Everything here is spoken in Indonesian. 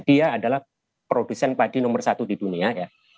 dia adalah produsen padi nomor satu di dunia ya